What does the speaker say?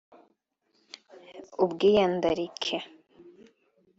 ubwiyandarike